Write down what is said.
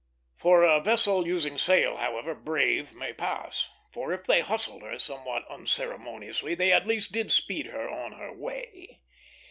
For a vessel using sail, however, "brave" may pass; for, if they hustled her somewhat unceremoniously, they at least did speed her on her way.